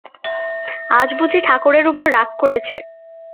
আজ বুঝি ঠাকুরের উপরে রাগ করেছে।